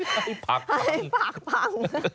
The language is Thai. ให้ฝักฟัง